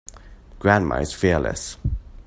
Grandma is fearless.